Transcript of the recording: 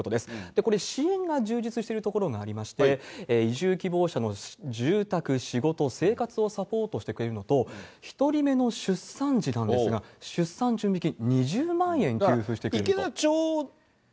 これ、支援が充実しているところがありまして、移住希望者の住宅、仕事、生活をサポートしてくれるのと、１人目の出産時なんですが、出産準備金２０万円、給付してくれると。